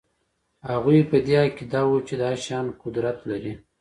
هغوی په دې عقیده وو چې دا شیان قدرت لري